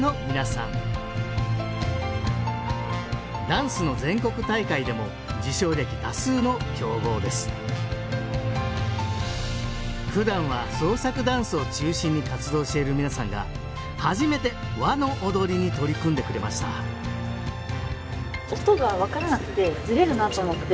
ダンスの全国大会でも受賞歴多数の強豪ですふだんは創作ダンスを中心に活動している皆さんが初めて和の踊りに取り組んでくれました音が分からなくてズレるなと思って。